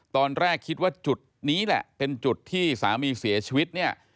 ตอนแรกคิดว่าจุดนี้แหละเป็นจุดที่สามีเสียชีวิตเนี่ย